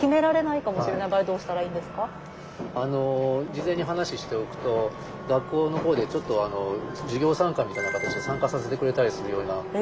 事前に話しておくと学校の方でちょっと授業参観みたいな形で参加させてくれたりするようなことが。